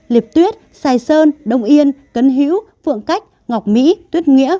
liệp tuyết sài sơn đông yên cấn hữu phượng cách ngọc mỹ tuyết nghĩa